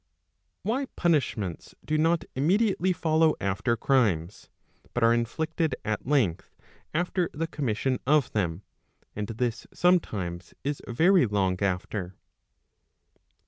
Why punishments do not immediately follow after crimes, but are inflicted at length after the commission of them, and this sometimes is yery long after